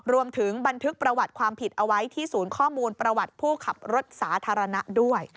รวมถึงบันทึกประวัติความผิดเอาไว้ที่ศูนย์ข้อมูลประวัติผู้ขับรถสาธารณะด้วย